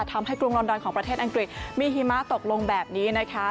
กรุงลอนดอนของประเทศอังกฤษมีหิมะตกลงแบบนี้นะคะ